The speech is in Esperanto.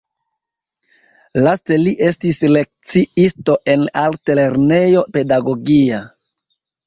Laste li estis lekciisto en altlernejo pedagogia.